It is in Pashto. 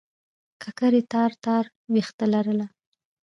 ککرۍ تار تار وېښته لرله.